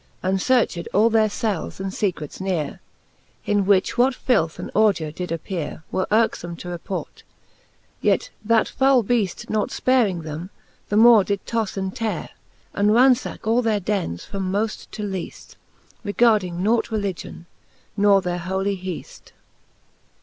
And fearched all their eels and fecrets neare ; In which what filth and ordure did appeare, Were yrkefome to report ; yet that foule Beaft Nought fparing them, the more did toffe and teare. And ranfacke all their dennes from moft to leaft, Regarding nought religion, nor their holy heaft.